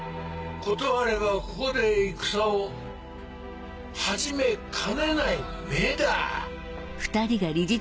断ればここで戦を始めかねない目だ。